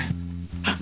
あっ！